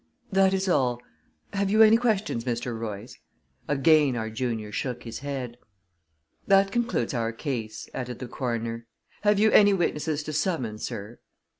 "That is all. Have you any questions, Mr. Royce?" Again our junior shook his head. "That concludes our case," added the coroner. "Have you any witnesses to summon, sir?"